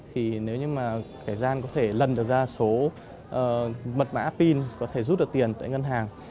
thì nếu như mà kẻ gian có thể lần được ra số mật mã pin có thể rút được tiền tại ngân hàng